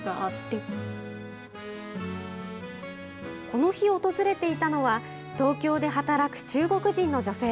この日訪れていたのは、東京で働く中国人の女性。